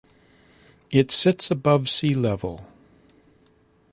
It sits above sea level.